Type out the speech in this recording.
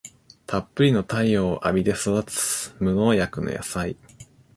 たっぷりの太陽を浴びて育つ無農薬の野菜